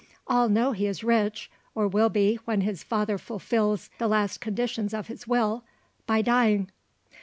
All know he is rich; or will be, when his father fulfils the last conditions of his will by dying.